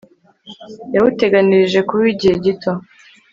yawuteganirije kuba uw'igihe gito